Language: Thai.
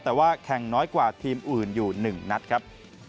แต่ว่าแข่งน้อยกว่าทีมอื่นอยู่๑นัดครับ